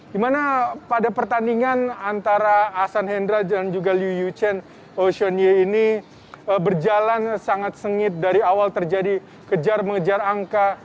di mana pada pertandingan antara ahsan hendra dan juga liu yuchen ocean ye ini berjalan sangat sengit dari awal terjadi kejar mengejar angka